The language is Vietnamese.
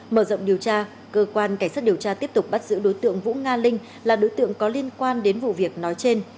mở rộng điều tra cơ quan cảnh sát điều tra tiếp tục bắt giữ đối tượng vũ nga linh là đối tượng có liên quan đến vụ việc nói trên